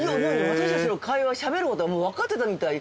私たちの会話しゃべることが分かってたみたい。